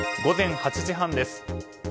午前８時半です。